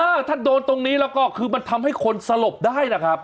เออถ้าโดนตรงนี้แล้วก็คือมันทำให้คนสลบได้นะครับ